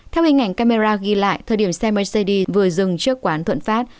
theo hình ảnh camera ghi lại thời điểm xe mercedes vừa dừng trước quán thuận phát